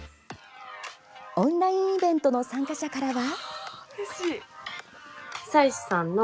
オンラインイベントの参加者からは？